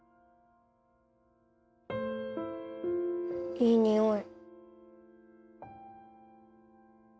いい匂い。